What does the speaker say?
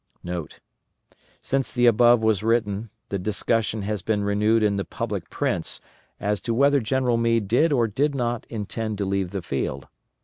*[* Since the above was written, the discussion has been renewed in the public prints as to whether General Meade did or did not intend to leave the field.